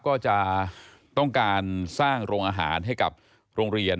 ก็จะต้องการสร้างโรงอาหารให้กับโรงเรียน